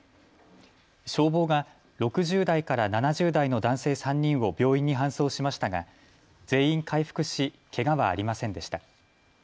消防が６０代から７０代の男性３人を病院に搬送しましたが全員回復しけがはありませんでした。